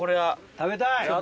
食べたい。